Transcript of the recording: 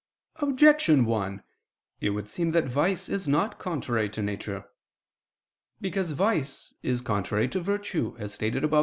Objection 1: It would seem that vice is not contrary to nature. Because vice is contrary to virtue, as stated above (A.